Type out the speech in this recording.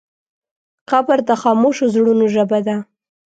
قبر د خاموشو زړونو ژبه ده.